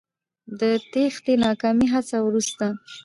د تېښتې ناکامې هڅې وروسته